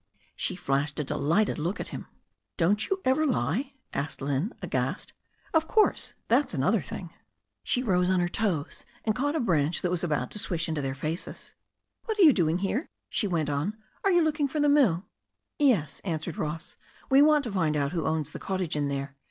She flashed a delighted look at him. *Don't you ever lie?" asked Lynne, aghast. 'Oh, of course. That's another thing." "] 270 THE STORY OF A NEW ZEALAND RIVER She rose on her toes and caught a branch that was about to swish into their faces. "What are you doing here ?" she went on^ "Arc you look ing for the mill?" "Yes," answered Ross. "We want to find out who owns the cottage in there.